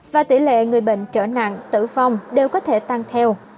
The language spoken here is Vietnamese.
và tỷ lệ người bệnh trở nặng tử vong đều có thể tăng theo